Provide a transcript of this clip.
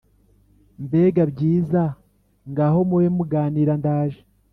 mbega byiza ngaho mube muganira ndaje".